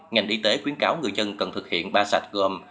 ngành y tế khuyến cáo người dân cần thực hiện ba sạch gồm